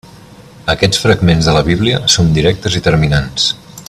Aquests fragments de la Bíblia són directes i terminants.